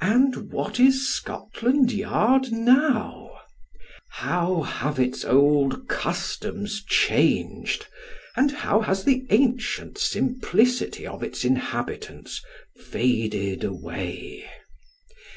And what is Scotland Yard now ? How have its old customs changed ; and how has the ancient simplicity of its inhabitants faded away